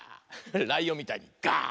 ライオンみたいに「があ！」。